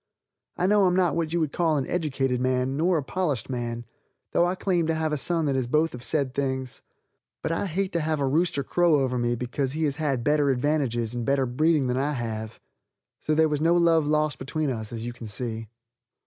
I know I'm not what you would call an educated man nor a polished man, though I claim to have a son that is both of said things, but I hate to have a rooster crow over me because he has had better advantages and better breeding than I have. So there was no love lost between us, as you can see.